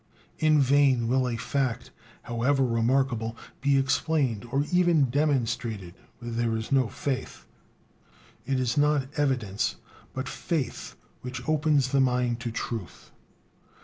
In vain will a fact, however remarkable, be explained or even demonstrated where there is no faith; it is not evidence but faith which opens the mind to truth.